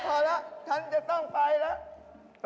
พอแล้วฉันจะต้องไปแล้ว